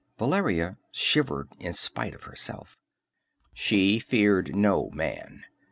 Valeria shivered in spite of herself. She feared no man.